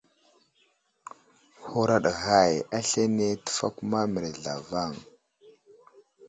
Huraɗ ghay aslane təfakuma mərəz zlavaŋ.